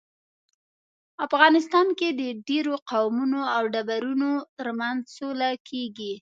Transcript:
افغانستان کې د ډیرو قومونو او ټبرونو ترمنځ سوله کیږي